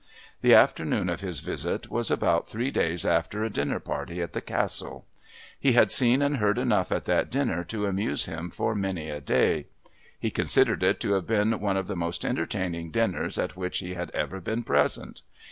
The afternoon of his visit was about three days after a dinner party at the Castle. He had seen and heard enough at that dinner to amuse him for many a day; he considered it to have been one of the most entertaining dinners at which he had ever been present.